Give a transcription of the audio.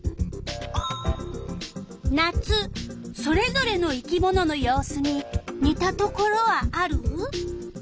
それぞれの生き物の様子ににたところはある？